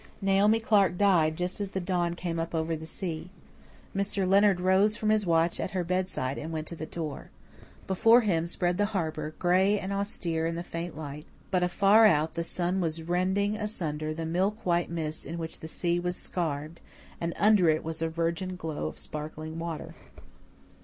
Naomi Clark died just as the dawn came up over the sea. Mr. Leonard rose from his watch at her bedside and went to the door. Before him spread the harbour, gray and austere in the faint light, but afar out the sun was rending asunder the milk white mists in which the sea was scarfed, and under it was a virgin glow of sparkling water.